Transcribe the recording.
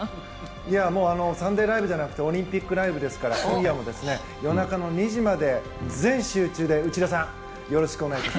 「サンデーＬＩＶＥ！！」じゃなくてオリンピックライブですから今夜も夜中の２時まで全集中で内田さんよろしくお願いします。